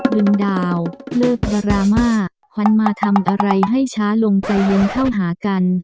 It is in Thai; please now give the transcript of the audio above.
ดึงดาวเลิกดราม่าหันมาทำอะไรให้ช้าลงใจเย็นเข้าหากัน